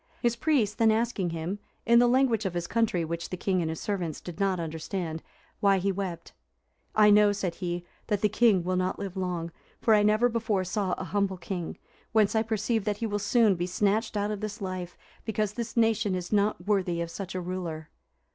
His priest then asking him, in the language of his country, which the king and his servants did not understand, why he wept, "I know," said he, "that the king will not live long; for I never before saw a humble king; whence I perceive that he will soon be snatched out of this life, because this nation is not worthy of such a ruler."